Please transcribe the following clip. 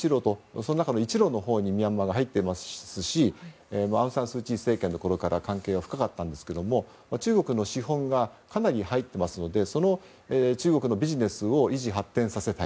その中の一路のほうにミャンマーが入っていますしアウン・サン・スー・チー政権のころから関係は深かったんですが中国の資本がかなり入っていますので中国のビジネスを維持・発展させたい。